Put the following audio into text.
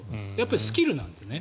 スキルなんです。